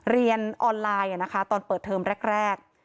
เรียนออนไลน์ตอนเปิดเทอมแรก